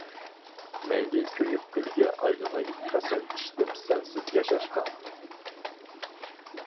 مەيلى كۆيۈپ كۈلگە ئايلىناي، قەسەم ئىچتىم سەنسىز ياشاشقا.